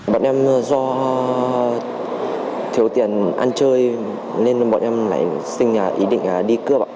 bọn em do thiếu tiền ăn chơi nên bọn em lại xin ý định đi cướp